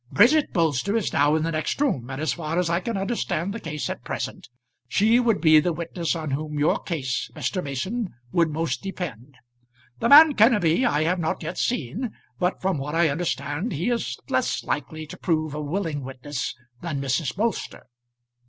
"Bridget Bolster is now in the next room, and as far as I can understand the case at present, she would be the witness on whom your case, Mr. Mason, would most depend. The man Kenneby I have not yet seen; but from what I understand he is less likely to prove a willing witness than Mrs. Bolster."